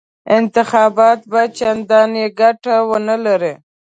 انتخابات به چنداني ګټه ونه کړي.